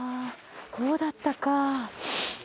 こうだったか。